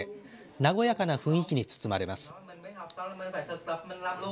和やかな雰囲気に包まれます。